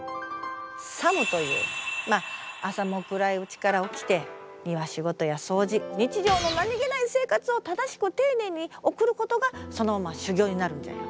作務というまあ朝も暗いうちから起きて庭仕事や掃除日常の何気ない生活を正しく丁寧に送ることがそのまま修行になるんじゃよ。